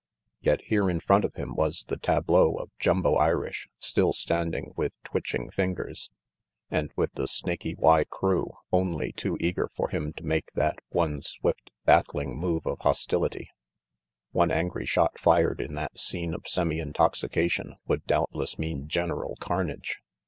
Yet here in front of him was the tableau of Jumbo Irish still standing with twitching fingers, and with the Snaky Y crew only too eager for him to make that one swift, battling move of hostility. RANGY PETE 197 One angry shot fired in that scene of semi intoxi cation would doubtless mean general carnage.